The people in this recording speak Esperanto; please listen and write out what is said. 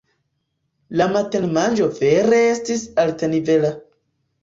La matenmanĝo vere estis altnivela.